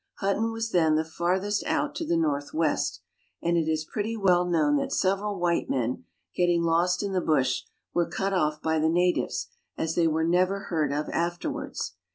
Hutton was then the furthest out to the north west, and it is pretty well known that several white men, getting lost in the bush, were cut off by the natives, as they were never heard of afterwards.